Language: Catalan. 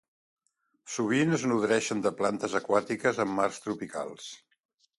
Sovint es nodreixen de plantes aquàtiques en mars tropicals.